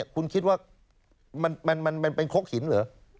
คุณคิดว่ามันเป็นครกหินเหรอ